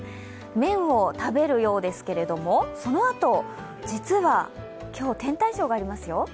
麺を食べるようですけれどもそのあと、実は今日今日、天体ショーがありますよ。